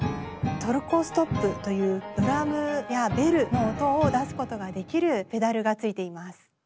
トルコ・ストップというドラムやベルの音を出すことができるペダルがついています。